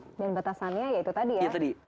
dan batasannya ya itu tadi ya